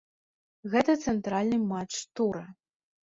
Гэта цэнтральны матч тура.